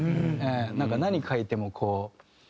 なんか何書いてもこう。